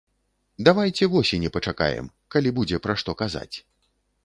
Давайце восені пачакаем, калі будзе пра што казаць.